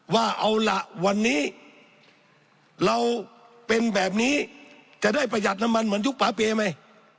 ว่าเอาล่ะวันนี้เราเป็นแบบนี้จะได้ประหยัดน้ำมันเหมือนยุคปาเปย์ไหม